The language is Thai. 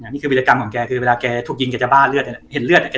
นี่คือวิธยากรรมของแกคือเวลาแกถูกยิงจะบ้าเลือด